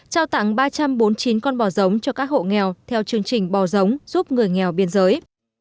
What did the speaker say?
trao tặng ba trăm bốn mươi chín con bò giống cho các hộ nghèo theo chương trình bò giống giúp người nghèo biên giới